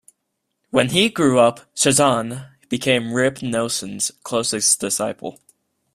When he grew up, Chazan became Reb Noson's closest disciple.